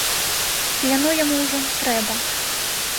Ці яно яму ўжо не трэба?